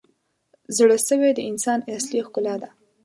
• زړه سوی د انسان اصلي ښکلا ده.